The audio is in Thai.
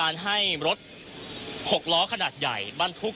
คุณทัศนาควดทองเลยค่ะ